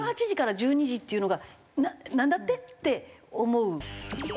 １８時から１２時っていうのがなんだって？って思う。